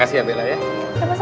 pak saya perlu bisik dulu ya